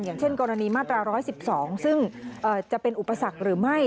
อย่างเช่นกรณีมาตรา๑๑๒ซึ่งจะเป็นอุปสรรคหรือไม่